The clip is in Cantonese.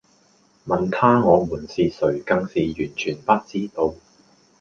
問她我們是誰更是完全不知道